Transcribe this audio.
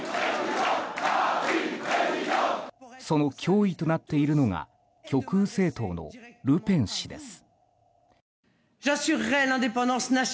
その脅威となっているのが極右政党のルペン氏です。